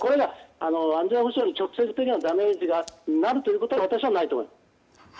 安全保障に直接的なダメージになるということは私はないと思います。